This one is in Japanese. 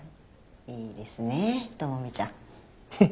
いいですね知美ちゃん。フフフ。